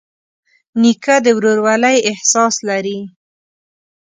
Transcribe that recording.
نیکه د ورورولۍ احساس لري.